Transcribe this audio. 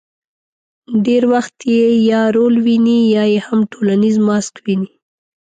ډېر وخت یې یا رول ویني، یا یې هم ټولنیز ماسک ویني.